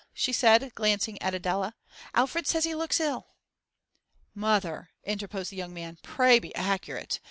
she said, glancing at Adela. 'Alfred says he looks ill.' 'Mother,' interposed the young man, 'pray be accurate.